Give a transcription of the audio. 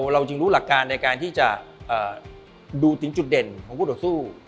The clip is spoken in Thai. เราจึงรู้หลักการในการที่จะดูถึงจุดเด่นของคู่ต่อสู้